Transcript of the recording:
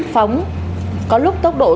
phóng có lúc tốc độ